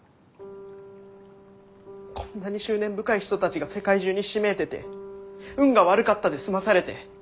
こんなに執念深い人たちが世界中にひしめいてて「運が悪かった」で済まされて。